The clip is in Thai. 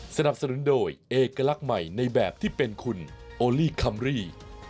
สนับสนุนโดยเอกลักษณ์ใหม่ในแบบที่เป็นคุณโอลี่คัมรี่